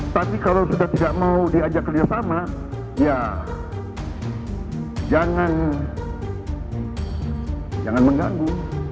tapi kalau sudah tidak mau diajak kerjasama ya jangan mengganggu